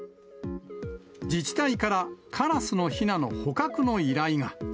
自治体からカラスのひなの捕獲の依頼が。